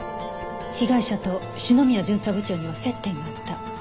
被害者と篠宮巡査部長には接点があった。